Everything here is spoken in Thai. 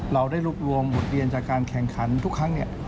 เราได้รวบรวมบทเรียนจากการแข่งขันทุกครั้งเนี่ย